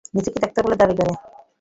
নিজেকে ডাক্তার বলেও দাবি করে!